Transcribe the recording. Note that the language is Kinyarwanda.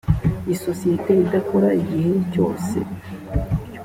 isosiyete idakora igihe cyose